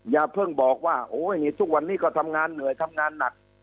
อย่าเพิ่งบอกว่าโอ้ยทุกวันนี้ก็ทำงานเหนื่อยทำงานหนัก